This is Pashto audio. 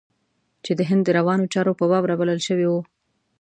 چې د هند د روانو چارو په باب رابلل شوی و.